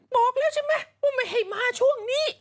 บอกแล้วใช่มั้ยว่ามะเหม้าช่วงนี้